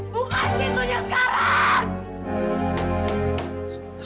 buka pintunya sekarang